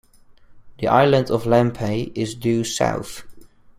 The island of Lampay is due south.